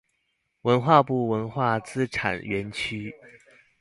文化部文化資產園區